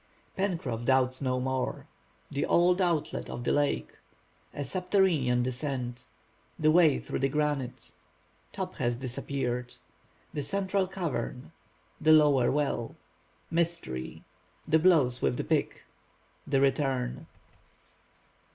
PENCROFF DOUBTS NO MORE—THE OLD OUTLET OF THE LAKE—A SUBTERRANEAN DESCENT—THE WAY THROUGH THE GRANITE—TOP HAS DISAPPEARED—THE CENTRAL CAVERN—THE LOWER WELL—MYSTERY—THE BLOWS WITH THE PICK—THE RETURN.